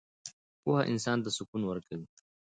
پوهه انسان ته سکون ورکوي.